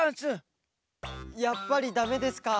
やっぱりだめですか。